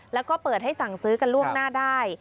แล้วก็เปิดให้สั่งซื้อกันล่วงหน้าได้